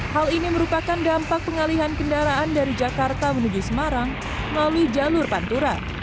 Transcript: hal ini merupakan dampak pengalihan kendaraan dari jakarta menuju semarang melalui jalur pantura